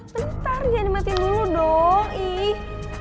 bentar jangan dimatiin dulu dong ih